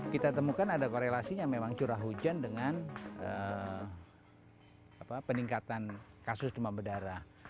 kita temukan ada korelasinya memang curah hujan dengan peningkatan kasus demam berdarah